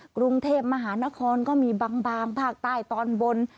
กรุงเทพมหานครก็มีบางภาคใต้ตอนบน